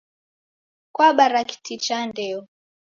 Kwabara kiti cha ndeo